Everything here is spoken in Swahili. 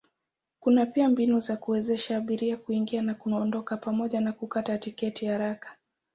Kuna pia mbinu za kuwezesha abiria kuingia na kuondoka pamoja na kukata tiketi haraka.